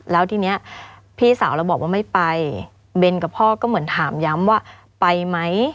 แล้วทีนี้พี่สาวเราบอกว่าไม่ไปเบนกับพ่อก็เหมือนถามย้ำว่าไปไหม